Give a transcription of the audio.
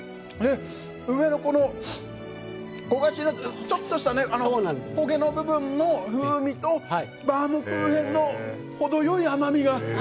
上のちょっとした焦げの部分の風味とバウムクーヘンの程良い甘みが。